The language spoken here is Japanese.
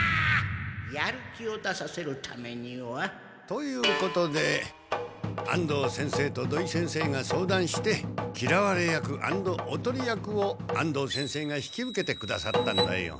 やる気を出させるためには。ということで安藤先生と土井先生が相談してきらわれ役アンドおとり役を安藤先生が引き受けてくださったんだよ。